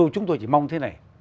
chúng tôi chỉ mong thế này